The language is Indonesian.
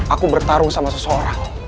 aku bertarung sama seseorang